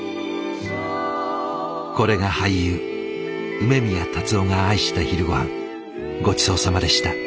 これが俳優梅宮辰夫が愛した昼ごはんごちそうさまでした。